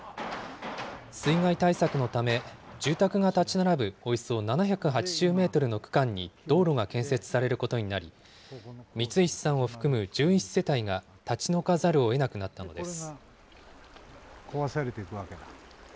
水害対策のため、住宅が建ち並ぶおよそ７８０メートルの区間に道路が建設されることになり、三石さんを含む１１世帯が立ち退かざるをえなくなったのです。